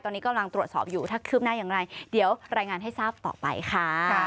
ตอนนี้กำลังตรวจสอบอยู่ถ้าคืบหน้าอย่างไรเดี๋ยวรายงานให้ทราบต่อไปค่ะ